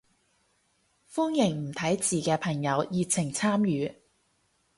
歡迎唔睇字嘅朋友熱情參與